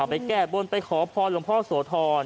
ไปแก้บนไปขอพรหลวงพ่อโสธร